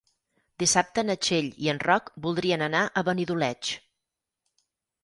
Dissabte na Txell i en Roc voldrien anar a Benidoleig.